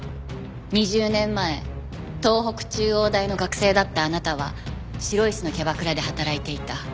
２０年前東北中央大の学生だったあなたは白石のキャバクラで働いていた。